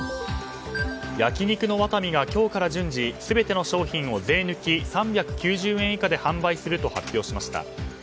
焼肉の和民が今日から順次全ての商品を税抜き３９０円以下で販売すると発表しました。